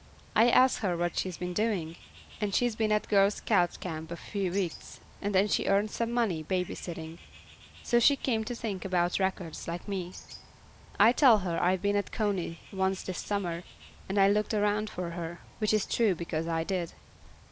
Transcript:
I ask her what she's been doing, and she's been at Girl Scout camp a few weeks, and then she earned some money baby sitting. So she came to think about records, like me. I tell her I've been at Coney once this summer, and I looked around for her, which is true, because I did.